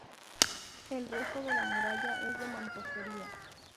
El resto de la muralla es de mampostería.